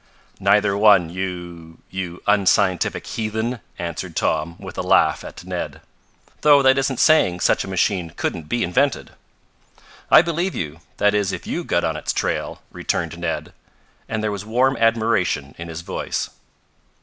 "Neither one, you you unscientific heathen," answered Tom, with a laugh at Ned. "Though that isn't saying such a machine couldn't be invented." "I believe you that is if you got on its trail," returned Ned, and there was warm admiration in his voice.